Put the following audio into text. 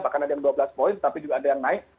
bahkan ada yang dua belas poin tapi juga ada yang naik